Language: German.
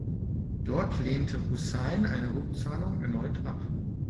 Dort lehnte Husain eine Rückzahlung erneut ab.